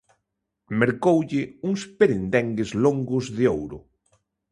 Mercoulle uns perendengues longos de ouro.